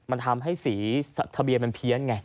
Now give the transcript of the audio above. มันทำให้สีทะเบียนมันเพี้ยนไง